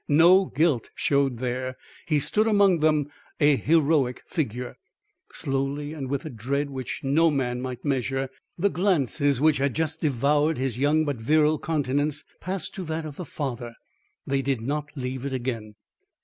No guilt showed there; he stood among them, a heroic figure. Slowly, and with a dread which no man might measure, the glances which had just devoured his young but virile countenance passed to that of the father. They did not leave it again.